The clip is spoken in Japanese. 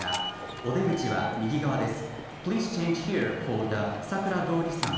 お出口は右側です。